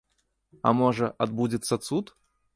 А можа, адбудзецца цуд?